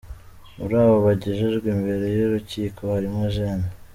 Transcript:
Muri abo bagejejwe imbere y’urukiko harimo Gen.